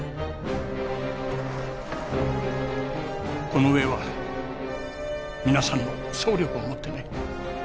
このうえは皆さんの総力を持ってね